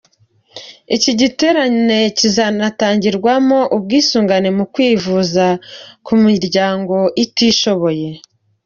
Iki giterane kizanatangirwamo ubwisungane mu kwivuza ku miryango itishoboye.